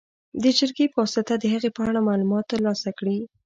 د جرګې په واسطه د هغې په اړه معلومات تر لاسه کړي.